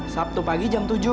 sabtu pagi jam tujuh